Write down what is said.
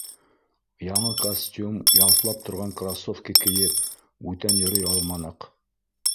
Яңы костюм, ялтлап торған кроссовки кейеп бүтән йөрөй алманыҡ.